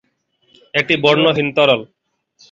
এটি বর্ণহীন তরল।